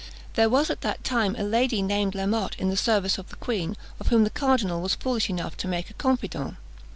There was at that time a lady named La Motte in the service of the queen, of whom the cardinal was foolish enough to make a confidant.